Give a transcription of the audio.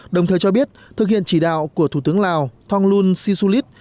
đồng thời cho biết thực hiện chỉ đạo của thủ tướng lào thonglun sisulit